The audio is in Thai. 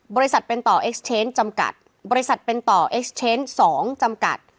บริษัทเป็นต่อเอสเชนส์จำกัดบริษัทเป็นต่อเอสเชนส์สองจำกัด